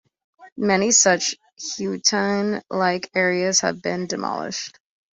Many such "hutong"-like areas have been demolished.